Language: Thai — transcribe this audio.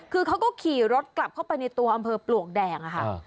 คือเขาก็ขี่รถกลับเข้าไปในตัวอำเภอปลวกแดงค่ะ